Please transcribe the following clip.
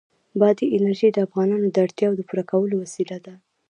بادي انرژي د افغانانو د اړتیاوو د پوره کولو وسیله ده.